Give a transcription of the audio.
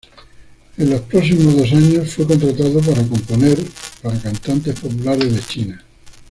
En los próximos dos años, fue contratado para componer para cantantes populares de China.